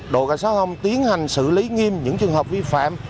đội cảnh sát thông tiến hành xử lý nghiêm những trường hợp vi phạm